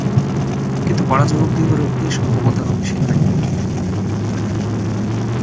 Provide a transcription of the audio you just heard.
কিন্তু কড়া জবাব দিবার অভ্যাস ও ক্ষমতা রমেশের নাই।